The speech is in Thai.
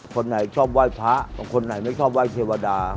คนไหนชอบไหว้พระคนไหนไม่ชอบไห้เทวดา